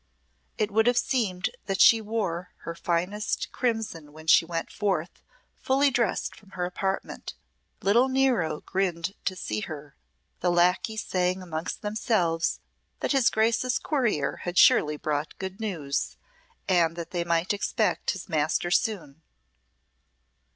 It would have seemed that she wore her finest crimson when she went forth full dressed from her apartment; little Nero grinned to see her, the lacqueys saying among themselves that his Grace's courier had surely brought good news, and that they might expect his master soon.